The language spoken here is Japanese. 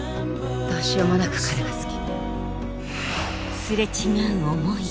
どうしようもなく彼が好き。